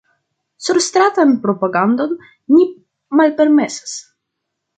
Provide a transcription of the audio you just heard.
Surstratan propagandon ni malpermesas.